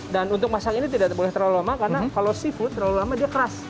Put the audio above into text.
dan untuk masak ini tidak boleh terlalu lama karena kalau seafood terlalu lama dia keras